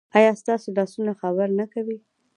ایا ستاسو لاسونه خیر نه کوي؟